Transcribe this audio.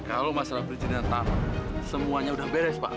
kalau masalah perizinannya tamat semuanya udah beres pak